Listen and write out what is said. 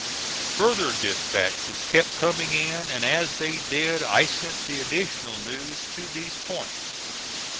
Further dispatches kept coming in, and as they did I sent the additional news to these points.